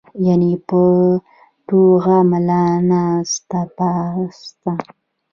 يعني پۀ ټوغه ملا ناسته پاسته